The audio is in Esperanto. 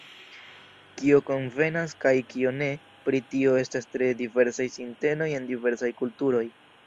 Kio konvenas kaj kio ne, pri tio estas tre diversaj sintenoj en diversaj kulturoj.